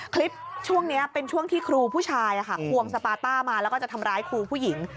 คลิปช่วงนี้เป็นช่วงที่ครูผู้ชายควงสปาต้ามาแล้วก็จะทำร้ายครูผู้หญิง